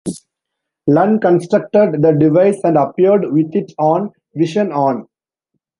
Lunn constructed the device and appeared with it on "Vision On".